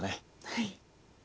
はい。